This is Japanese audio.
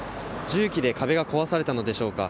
重機で壁が壊されたのでしょうか。